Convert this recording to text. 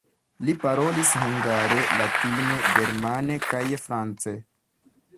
Li parolis hungare, latine, germane kaj france.